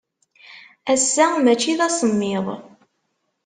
Ass-a, maci d asemmiḍ.